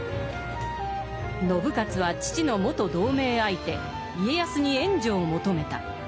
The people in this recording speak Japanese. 信雄は父の元同盟相手・家康に援助を求めた。